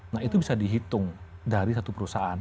nah itu bisa dihitung dari satu perusahaan